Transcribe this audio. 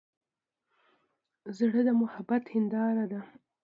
زړه د محبت هنداره ده.